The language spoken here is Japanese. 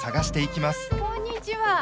こんにちは。